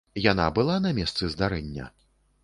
Яна была на месцы здарэння?